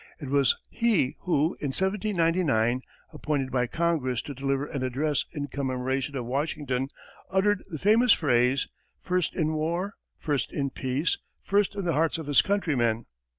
It was he who, in 1799, appointed by Congress to deliver an address in commemoration of Washington, uttered the famous phrase, "First in war, first in peace, first in the hearts of his countrymen."